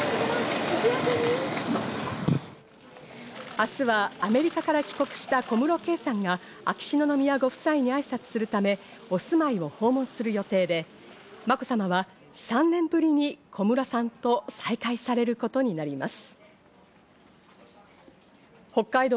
明日はアメリカから帰国した小室圭さんが秋篠宮家ご夫妻に挨拶するため、お住まいを訪問する予定で、まこさまは３年ぶりに小室さんと再会されることになります。